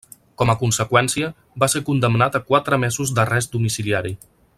Com a conseqüència, va ser condemnat a quatre mesos d'arrest domiciliari.